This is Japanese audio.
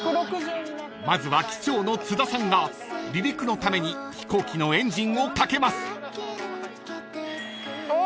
［まずは機長の津田さんが離陸のために飛行機のエンジンをかけます］あ！